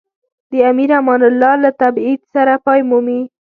د امیر امان الله له تبعید سره پای مومي.